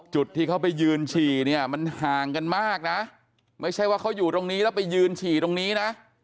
จุดที่เขาไปยืนฉี่เนี่ยมันห่างกันมากนะไม่ใช่ว่าเขาอยู่ตรงนี้แล้วไปยืนฉี่ตรงนี้นะ